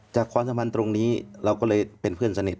ความสัมพันธ์ตรงนี้เราก็เลยเป็นเพื่อนสนิท